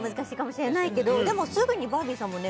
でもすぐにバービーさんもね